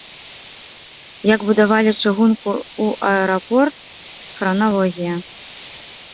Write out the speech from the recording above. Як будавалі чыгунку ў аэрапорт, храналогія.